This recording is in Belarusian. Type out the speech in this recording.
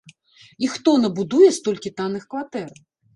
І хто набудуе столькі танных кватэр?